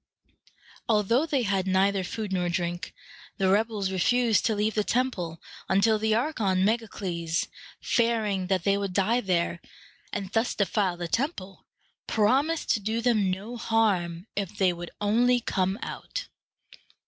Although they had neither food nor drink, the rebels refused to leave the temple, until the archon Meg´a cles, fearing that they would die there, and thus defile the temple, promised to do them no harm if they would only come out.